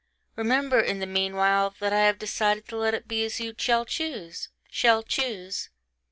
Remember, in the meanwhile, that I have decided to let it be as you shall choose ... shall choose.